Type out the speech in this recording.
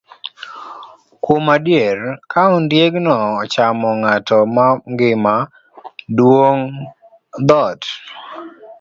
Kuom adier, ka ondiegno ochamo ng'ato mangima, dwong' dhoot.